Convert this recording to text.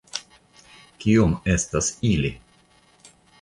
Kiom estas ili?